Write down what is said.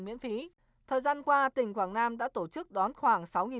miễn phí thời gian qua tỉnh quảng nam đã tổ chức đón khoảng